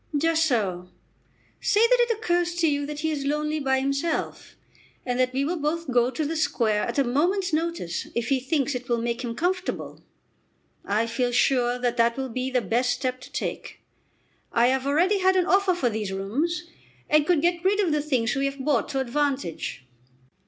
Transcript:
"Just so. Say that it occurs to you that he is lonely by himself, and that we will both go to the Square at a moment's notice if he thinks it will make him comfortable. I feel sure that that will be the best step to take. I have already had an offer for these rooms, and could get rid of the things we have bought to advantage."